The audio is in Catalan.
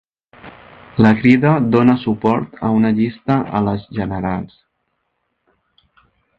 La Crida dona suport a una llista a les generals